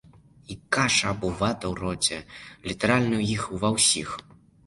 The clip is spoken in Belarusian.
І каша альбо вата ў роце літаральна ў іх ва ўсіх.